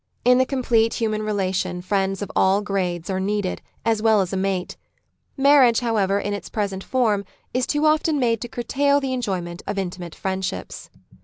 In the complete human relation friends of all grades are needed, as well as a mate. Marriage, however, in its present form is too often made to curtail the enjoyment of intimate friendships.